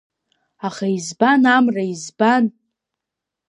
Аха избан, Амра, избан?